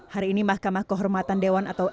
hari ini mahkamah kehormatan dewan atau